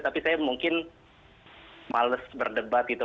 tapi saya mungkin males berdebat gitu